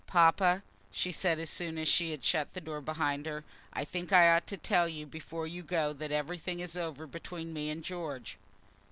"Papa," she said, as soon as she had shut the door behind her, "I think I ought to tell you before you go that everything is over between me and George."